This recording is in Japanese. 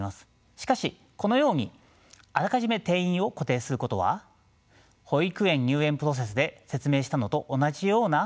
しかしこのようにあらかじめ定員を固定することは保育園入園プロセスで説明したのと同じような問題を起こします。